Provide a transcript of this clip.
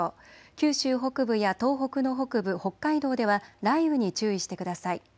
九州北部や東北の北部、北海道では雷雨に注意してください。